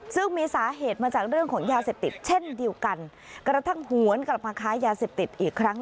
ซึ่งมีสาเหตุมาจากเรื่องของยาเสพติดเช่นเดียวกันกระทั่งหวนกลับมาค้ายาเสพติดอีกครั้ง